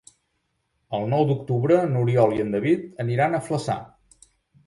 El nou d'octubre n'Oriol i en David aniran a Flaçà.